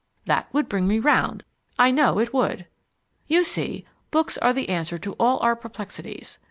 That would bring me round, I know it would. You see, books are the answer to all our perplexities!